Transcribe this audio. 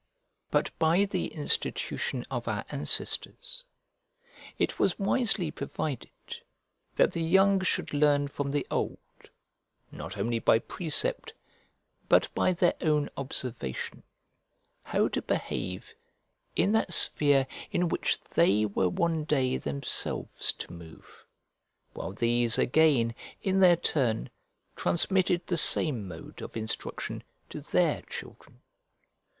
But by the institution of our ancestors, it was wisely provided that the young should learn from the old, not only by precept, but by their own observation, how to behave in that sphere in which they were one day themselves to move; while these, again, in their turn, transmitted the same mode of instruction to their children.